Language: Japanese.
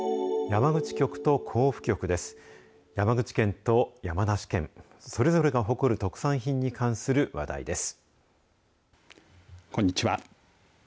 山口県と山梨県、それぞれが誇る特産品に関する話題です。